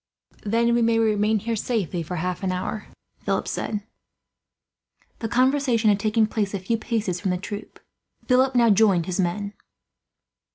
"Then we can remain here safely for half an hour," Philip said. The conversation had taken place a few paces from the troop. Philip now joined his men.